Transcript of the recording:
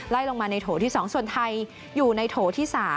ลงมาในโถที่๒ส่วนไทยอยู่ในโถที่๓